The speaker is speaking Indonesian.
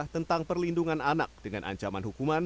tentang perlindungan anak dengan ancaman hukuman